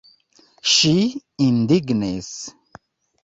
Ŝi indignis.